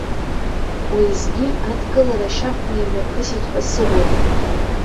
Уеизгьы адкылара шьахәны имҩаԥысит ҳәа сыҟоуп.